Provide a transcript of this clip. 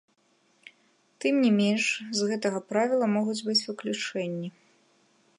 Тым не менш, з гэтага правіла могуць быць выключэнні.